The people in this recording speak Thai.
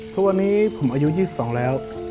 ทุกวันนี้ผมอายุ๒๒แล้ว